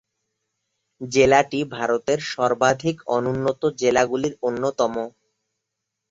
জেলাটি ভারতের সর্বাধিক অনুন্নত জেলাগুলির অন্যতম।